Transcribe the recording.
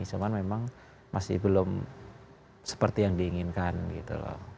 cuman memang masih belum seperti yang diinginkan gitu loh